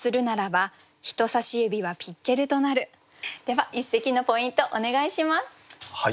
では一席のポイントお願いします。